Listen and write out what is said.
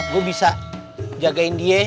gue bisa jagain dia